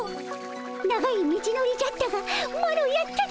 長い道のりじゃったがマロやったでおじゃる。